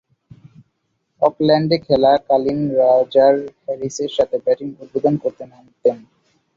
অকল্যান্ডে খেলাকালীন রজার হ্যারিসের সাথে ব্যাটিং উদ্বোধন করতে নামতেন।